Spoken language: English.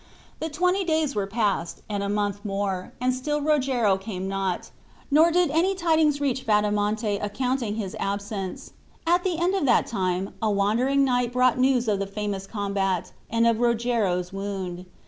The twenty days were passed, and a month more, and still Rogero came not, nor did any tidings reach Bradamante accounting for his absence. At the end of that time, a wandering knight brought news of the famous combat, and of Rogero's wound.